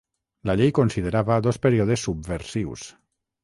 La llei considerava dos períodes subversius.